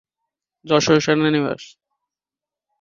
এই রেজিমেন্টের অবস্থান ছিল যশোর সেনানিবাসে।